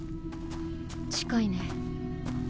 近いね。